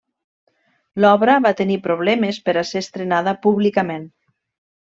L'obra va tenir problemes per a ser estrenada públicament.